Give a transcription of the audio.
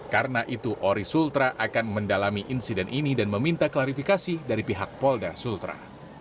karena itu ori sultra akan mendalami insiden ini dan meminta klarifikasi dari pihak polda sultra